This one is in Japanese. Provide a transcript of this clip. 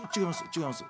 違います